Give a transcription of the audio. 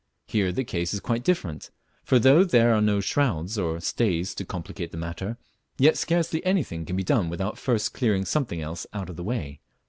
Here the case is quite different; for though there are no shrouds or stays to complicate the matter, yet scarcely anything can be done without first clearing something else out of the way.